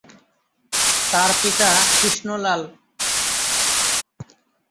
তার পিতা কৃষ্ণ লাল।